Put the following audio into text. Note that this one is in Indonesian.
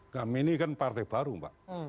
kami ini kan partai baru mbak